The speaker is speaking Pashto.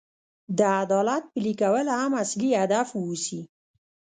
د عدالت پلي کول هم اصلي هدف واوسي.